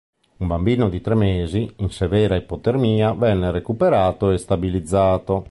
Un bambino di tre mesi in severa ipotermia venne recuperato e stabilizzato.